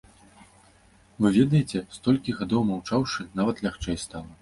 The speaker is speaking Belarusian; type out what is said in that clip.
Вы ведаеце, столькі гадоў маўчаўшы, нават лягчэй стала.